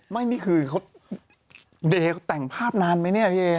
นี่คือเขาเดย์เขาแต่งภาพนานไหมเนี่ยพี่เอ